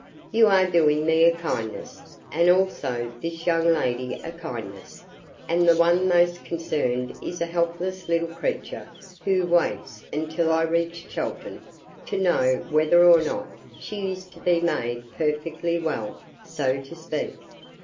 You are doing me a kindness, and also this young lady a kindness, and the one most concerned is a helpless little creature who waits until I reach Chelton to know whether or not she is to be made perfectly well, so to speak.